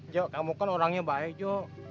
jok kamu kan orangnya baik jo